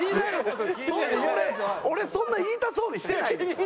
俺そんな言いたそうにしてないでしょ？